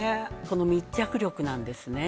この密着力なんですね。